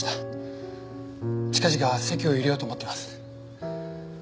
近々籍を入れようと思ってます。